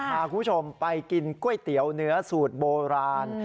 พาคุณผู้ชมไปกินก๋วยเตี๋ยวเนื้อสูตรโบราณ